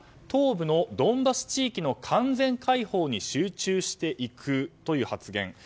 東部のドンバス地方の完全開放に集中していくという発言。